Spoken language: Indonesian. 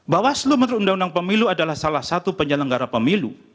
bawaslu menurut undang undang pemilu adalah salah satu penyelenggara pemilu